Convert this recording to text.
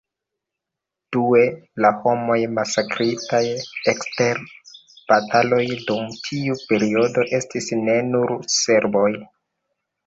Due, la homoj masakritaj ekster bataloj dum tiu periodo estis ne nur serboj.